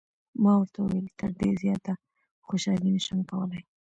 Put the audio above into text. ما ورته وویل: تر دې زیاته خوشحالي نه شم کولای.